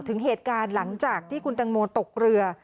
ถึงเหตุการณ์หลังจากที่คุณตังโมตกเรือ